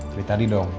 dari tadi dong